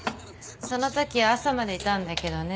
そのときは朝までいたんだけどね。